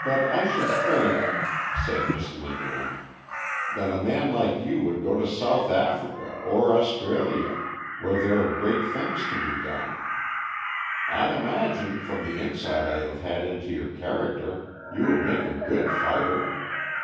"But I should think," said Miss Linderham, "that a man like you would go to South Africa or Australia, where there are great things to be done. I imagine, from the insight I have had into your character, you would make a good fighter.